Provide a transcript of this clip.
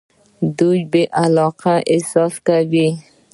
دوی بې علاقه احساس کوي.